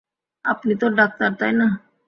আপনি তো ডাক্তার, তাই না?